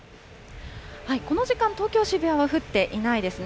この時間、東京・渋谷は降っていないですね。